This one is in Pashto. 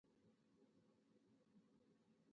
په رسمي جریده کې خپور او